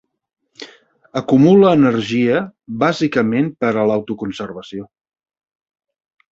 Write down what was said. Acumula energia, bàsicament per a l'autoconservació.